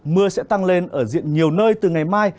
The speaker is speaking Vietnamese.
mưa sẽ tăng lên ở diện nhiều nơi từ ngày mai